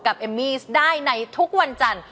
เอมมี่ได้ในทุกวันจันทร์